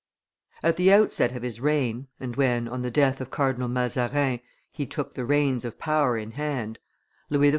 At the outset of his reign, and when, on the death of Cardinal Mazarin, he took the reins of power in hand, Louis XIV.